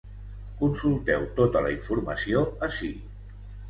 Consulteu tota la informació ací.